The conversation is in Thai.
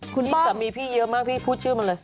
คุณพี่สามีพี่เยอะมากพี่พูดชื่อมาเลย